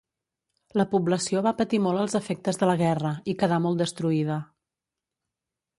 La població va patir molt els efectes de la guerra i quedà molt destruïda.